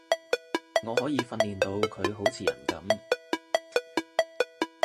我可以訓練到佢好似人噉